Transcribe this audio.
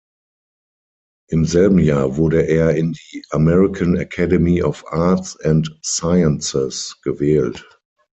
Im selben Jahr wurde er in die American Academy of Arts and Sciences gewählt.